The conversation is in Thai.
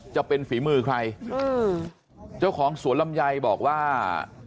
จะเป็นฝีมือใครเจ้าของสวนลำไยบอกว่า